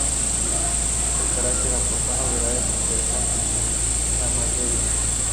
En la cátedra aportó novedades interesantes en la materia.